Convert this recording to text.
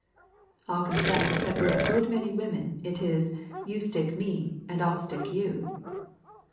I'll confess that with a good many women it is, "You stick me and I'll stick you."